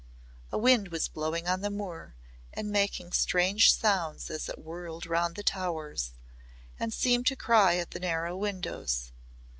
A wind was blowing on the moor and making strange sounds as it whirled round the towers and seemed to cry at the narrow windows.